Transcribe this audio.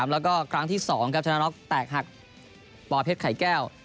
แล้วก็ครั้งที่๒ชนะน็อกแตกหักปอเพชรไข่แก้ว